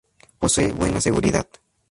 Posee buena seguridad.